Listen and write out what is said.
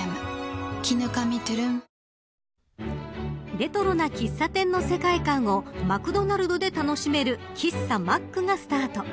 レトロな喫茶店の世界観をマクドナルドで楽しめる喫茶マックがスタート